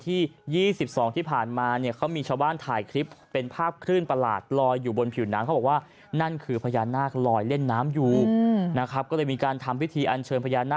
ทางด้านของหนึ่งในชาวบ้านนายทองมวลเขาบอกว่าปรากฏการณ์ที่เห็นพญานาคเล่นน้ำเนี่ยเกิดขึ้นคำแรก๒๐๒๒กันยายน